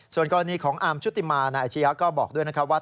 ส่วนกรณีของอาร์มชุติมานายอาชียะก็บอกด้วยนะครับว่า